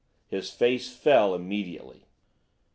"His face fell immediately.